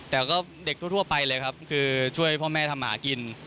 แต่ก็เด็กทั่วไปเลยครับคือช่วยพ่อแม่ทำหากิน